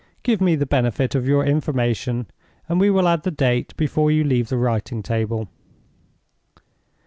Give me the benefit of your information, and we will add the date before you leave the writing table."